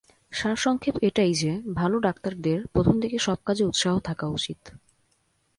সারসংক্ষেপ এটাই যে, ভালো ডাক্তারদের প্রথমদিকে সব কাজে উৎসাহ থাকা উচিৎ।